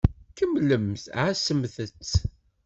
Kemmlemt ɛassemt-t.